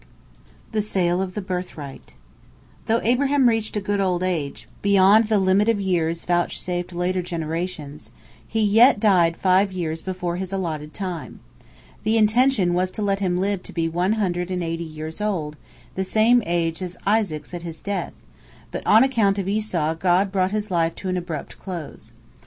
THE SALE OF THE BIRTHRIGHT Though Abraham reached a good old age, beyond the limit of years vouchsafed later generations, he yet died five years before his allotted time. The intention was to let him live to be one hundred and eighty years old, the same age as Isaac's at his death, but on account of Esau God brought his life to an abrupt close.